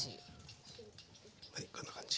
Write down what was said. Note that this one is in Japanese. はいこんな感じ。